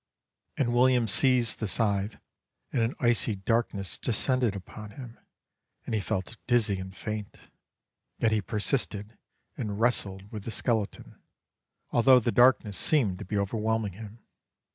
And William seized the scythe and an icy darkness descended upon him, and he felt dizzy and faint; yet he persisted and wrestled with the skeleton, although the darkness seemed to be overwhelming him.